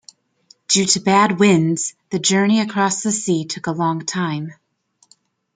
Due to bad winds, the journey across the sea took a long time.